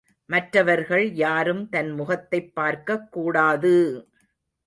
மற்றவர்கள் யாரும் தன் முகத்தைப் பார்க்கக் கூடாது!